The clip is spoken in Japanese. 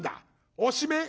おしめえ？